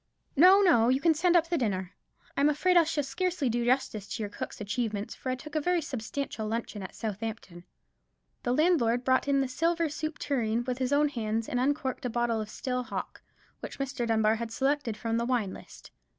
"No, no; you can send up the dinner. I'm afraid I shall scarcely do justice to your cook's achievements, for I took a very substantial luncheon at Southampton." The landlord brought in the silver soup tureen with his own hands, and uncorked a bottle of still hock, which Mr. Dunbar had selected from the wine list.